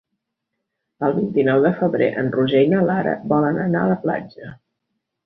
El vint-i-nou de febrer en Roger i na Lara volen anar a la platja.